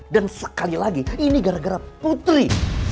sekali lagi ini gara gara putri